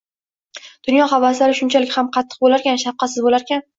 Dunyo havaslari shunchalik ham qattiq bo‘larkan, shafqatsiz bo‘larkan.